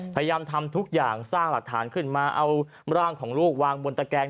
พยายามทำทุกอย่างสร้างหลักฐานขึ้นมาเอาร่างของลูกวางบนตะแกง